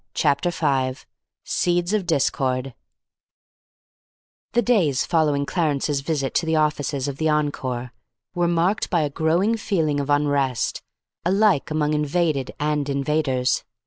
Chapter 5 SEEDS OF DISCORD The days following Clarence's visit to the offices of the Encore were marked by a growing feeling of unrest, alike among invaded and invaders.